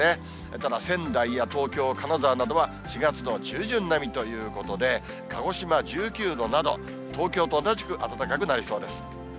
ただ仙台や東京、金沢などは４月の中旬並みということで、鹿児島１９度など、東京と同じく暖かくなりそうです。